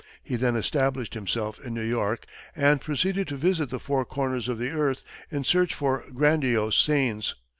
He then established himself in New York, and proceeded to visit the four corners of the earth in search for grandiose scenes.